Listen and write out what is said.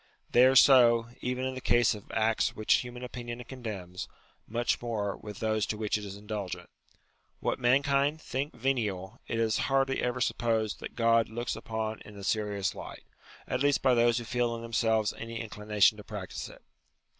They are so, even in the case of acts which human opinion condemns : much more, with those to which it is indulgent. What mankind think venial, it is hardly ever supposed that God looks upon in a serious light : at least by those who feel in themselves any inclination to practise it.